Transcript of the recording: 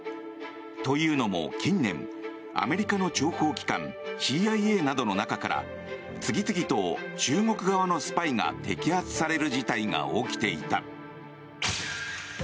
というのも近年、アメリカの諜報機関ＣＩＡなどの中から次々と中国側のスパイが摘発される事態が起きていた。